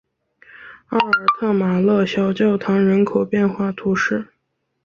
奥尔特马勒小教堂人口变化图示